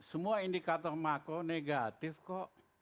semua indikator makro negatif kok